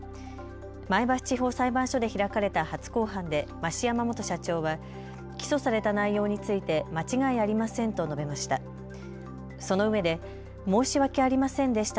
前橋地方裁判所で開かれた初公判で増山元社長は起訴された内容について間違いありませんと述べました。